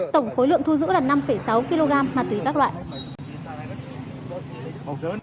tổng khối lượng thu giữ là năm sáu kg ma túy các loại